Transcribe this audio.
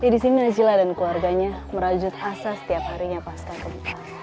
di sini najila dan keluarganya merajut asa setiap harinya pasca gempa